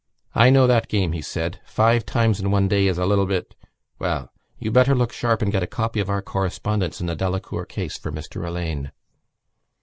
"I know that game," he said. "Five times in one day is a little bit.... Well, you better look sharp and get a copy of our correspondence in the Delacour case for Mr Alleyne."